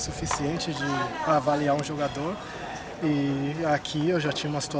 saya pikir itu lebih dari cukup untuk menilai seorang pemain